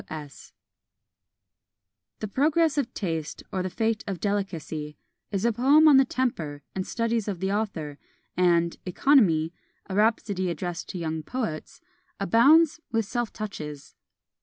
"W. S." "The Progress of Taste; or the Fate of Delicacy," is a poem on the temper and studies of the author; and "Economy; a Rhapsody addressed to Young Poets," abounds with self touches.